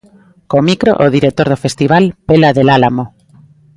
Co micro, o director do festival Pela del Álamo.